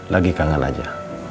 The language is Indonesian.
lagi kangen aja